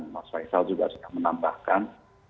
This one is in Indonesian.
mas faisal juga sudah menambahkan